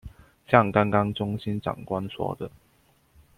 像剛剛中心長官說的